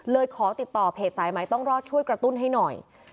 ขอติดต่อเพจสายใหม่ต้องรอดช่วยกระตุ้นให้หน่อย